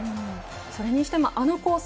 それにしてもあのコース